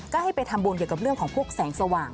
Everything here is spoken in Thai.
ก็ให้ไปทำบุญเกี่ยวกับเรื่องของพวกแสงสว่าง